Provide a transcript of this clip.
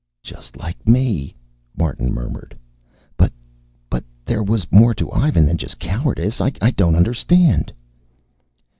"Just like me," Martin murmured. "But but there was more to Ivan than just cowardice. I don't understand."